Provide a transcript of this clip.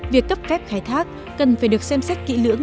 việc cấp phép khai thác cần phải được xem xét kỹ lưỡng